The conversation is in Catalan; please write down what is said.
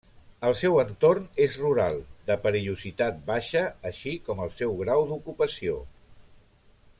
El seu entorn és rural, de perillositat baixa així com el seu grau d'ocupació.